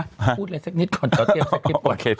กูก็พูดเลยเท่านิดก่อนเช่าไปเตรียมสกิฟต์บท